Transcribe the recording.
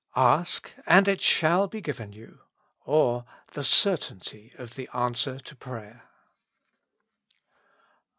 " Ask, and it shall be given you: " or, Tlie Cer= tainty of the Answer to Prayer.